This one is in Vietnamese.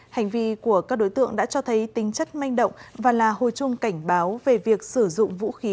hành vi của các đối tượng đã cho thấy tính chất manh động và là hồi chuông cảnh báo về việc sử dụng vũ khí